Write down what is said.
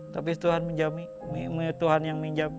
tapi tuhan yang menjamin